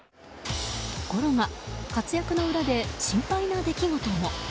ところが、活躍の裏で心配な出来事も。